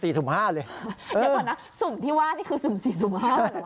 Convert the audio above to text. เดี๋ยวก่อนนะสุ่มที่ว่านี่คือสุ่ม๔สุ่ม๕